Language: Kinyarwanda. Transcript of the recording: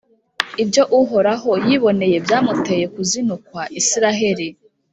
ibyo uhoraho yiboneye byamuteye kuzinukwa isiraheri: